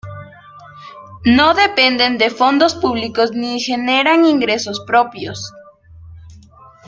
No dependen de fondos públicos ni generan ingresos propios.